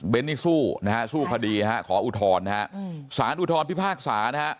เบนที่สู้สู้คดีขออุทธรณ์สารอุทธรณ์พิพากษา